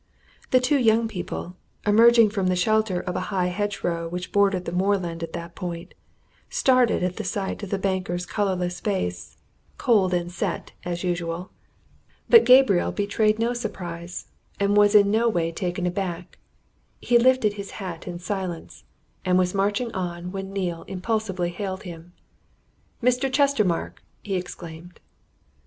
The two young people, emerging from the shelter of a high hedgerow which bordered the moorland at that point, started at sight of the banker's colourless face, cold and set as usual. But Gabriel betrayed no surprise, and was in no way taken aback. He lifted his hat in silence, and was marching on when Neale impulsively hailed him. "Mr. Chestermarke!" he exclaimed.